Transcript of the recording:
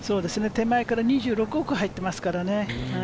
手前から２６奥に入ってますからね。